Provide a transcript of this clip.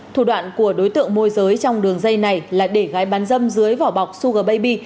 thủ đoạn của đối tượng môi giới trong đường dây này là để gái bán dâm dưới vỏ bọc suga baby